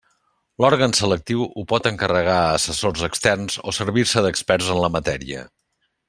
L'òrgan selectiu ho pot encarregar a assessors externs o servir-se d'experts en la matèria.